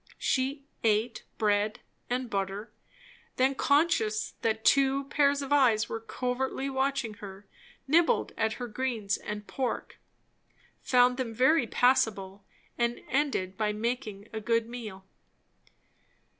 She eat bread and butter, then conscious that two pair of eyes were covertly watching her, nibbled at her greens and pork; found them very passable, and ended by making a good meal.